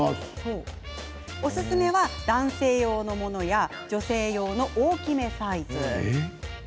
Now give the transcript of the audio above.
おすすめは男性用のものや女性用は大きめサイズ。